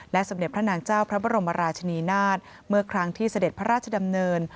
สมเด็จพระนางเจ้าพระบรมราชนีนาฏเมื่อครั้งที่เสด็จพระราชดำเนิน